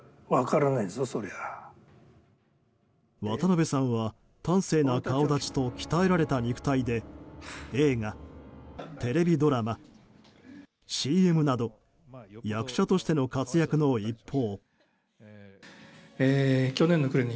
渡辺さんは端正な顔立ちと鍛えられた肉体で映画、テレビドラマＣＭなど役者としての活躍の一方。